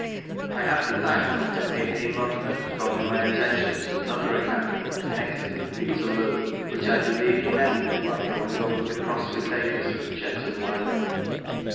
I have to thank Dr. A. A. Mumford for calling my attention to another account book connected with Peterloo, which I believe he met with while going over the Crossley pi^>ers at the Chetham Library.